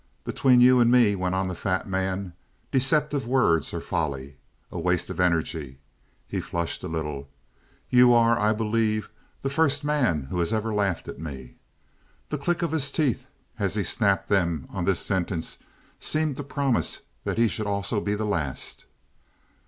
"Between you and me," went on the fat man, "deceptive words are folly. A waste of energy." He flushed a little. "You are, I believe, the first man who has ever laughed at me." The click of his teeth as he snapped them on this sentence seemed to promise that he should also be the last.